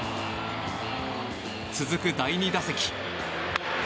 続く第２打席。